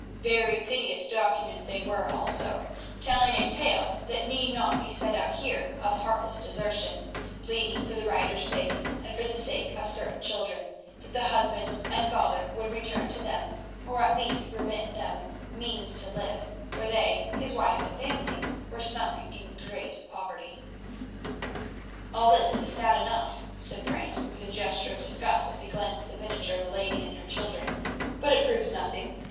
Very piteous documents they were also, telling a tale that need not be set out here of heartless desertion; pleading for the writer's sake and for the sake of certain children, that the husband and father would return to them, or at least remit them means to live, for they, his wife and family, were sunk in great poverty. "All this is sad enough," said Brant with a gesture of disgust as he glanced at the miniature of the lady and her children, "but it proves nothing.